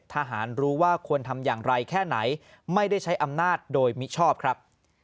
ทหารรู้ว่าควรทำอย่างไรแค่ไหนไม่ได้ใช้อำนาจโดยมิชอบครับ